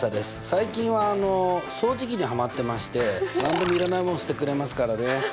最近は掃除機にはまってまして何でもいらないもの吸ってくれますからね。